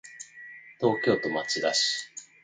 東京都町田市